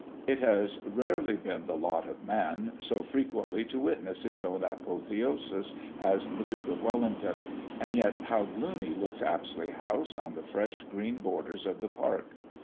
It has rarely been the lot of a man so frequently to witness his own apotheosis as the Duke of Wellington; and yet how gloomy looks Apsley House on the fresh green borders of the park.